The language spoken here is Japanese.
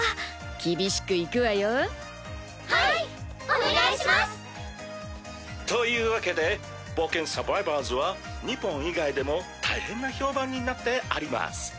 お願いします！というわけで「冒険サバイバーズ」は日本以外でも大変な評判になってあります。